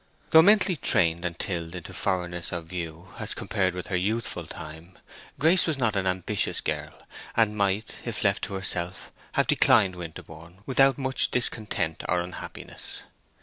Though mentally trained and tilled into foreignness of view, as compared with her youthful time, Grace was not an ambitious girl, and might, if left to herself, have declined Winterborne without much discontent or unhappiness.